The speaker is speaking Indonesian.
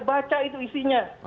baca itu isinya